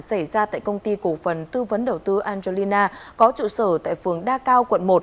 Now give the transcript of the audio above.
xảy ra tại công ty cổ phần tư vấn đầu tư angelina có trụ sở tại phường đa cao quận một